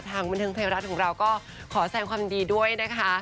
ทางบรรทัยรัฐของเราก็ขอแสงความดีด้วยนะคะ